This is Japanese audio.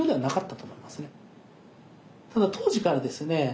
ただ当時からですね